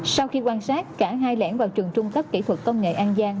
sau khi quan sát cả hai lẻn vào trường trung tất kỹ thuật công nghệ an giang